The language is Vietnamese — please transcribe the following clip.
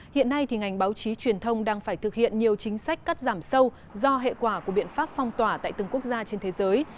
hiện nay ngành báo chí truyền thông đang phải thực hiện nhiều chính sách cắt giảm sâu do hệ quả của biện pháp phong tỏa tại từng quốc gia trên thế giới